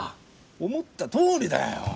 思ったとおりだよ。